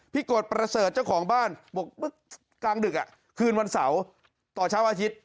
กฎประเสริฐเจ้าของบ้านบอกเมื่อกลางดึกคืนวันเสาร์ต่อเช้าอาทิตย์